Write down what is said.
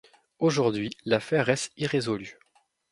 Aujourd'hui, l'affaire reste irrésolue.